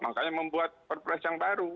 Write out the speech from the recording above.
makanya membuat perpres yang baru